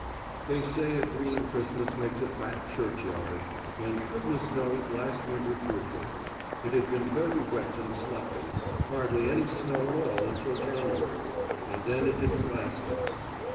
They say a green Christmas makes a fat churchyard, and goodness knows last winter proved it. It had been very wet and sloppy, hardly any snow at all until January, and then it didn't last long.